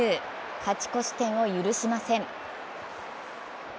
勝ち越し点を許しません。